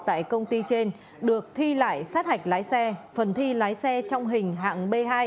tại công ty trên được thi lại sát hạch lái xe phần thi lái xe trong hình hạng b hai